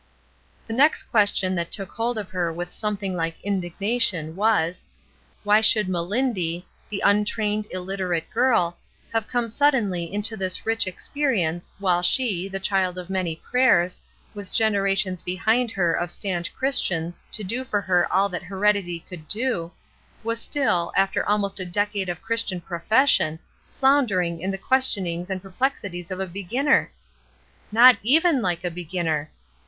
THEORY AND PRACTICE 215 The next question that took hold of her with something like indignation, was: Why should "Melindy," the untrained, illiterate girl, have come suddenly into this rich experience while she, the child of many prayers, with generations behind her of stanch Christians to do for her all that heredity could do, was still, after almost a decade of Christian profession, floundering in the questionings and perplexities of a beginner ? Not even like a beginner